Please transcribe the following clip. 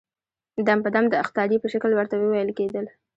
دم په دم د اخطارې په شکل ورته وويل کېدل.